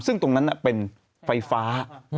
ซึ่งตรงนั้นเป็นไฟฟ้า